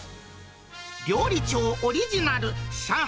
料理長オリジナル、上海